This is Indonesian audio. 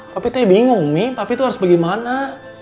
papi tuh bingung nih papi tuh harus bagaimana